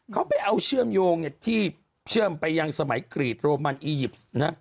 เขาไปเอาเชื่อมโยงที่เชื่อมไปยังสมัยกรีดโรมันอียิปต์นะ